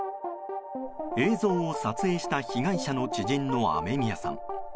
映像を撮影した被害者の知人の雨宮さん。